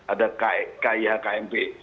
ada kia kmp